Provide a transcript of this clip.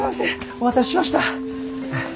お待たせしました。